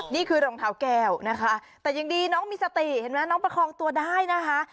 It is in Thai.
รองเท้าแก้วนะคะแต่ยังดีน้องมีสติเห็นไหมน้องประคองตัวได้นะคะ